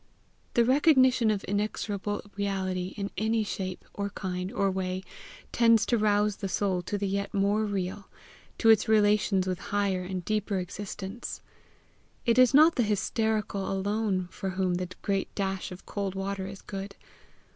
The recognition of inexorable reality in any shape, or kind, or way, tends to rouse the soul to the yet more real, to its relations with higher and deeper existence. It is not the hysterical alone for whom the great dash of cold water is good.